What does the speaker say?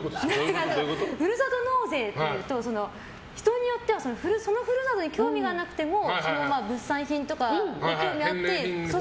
ふるさと納税っていうと人によってはその故郷に興味がなくても物産品とかに興味があってやると。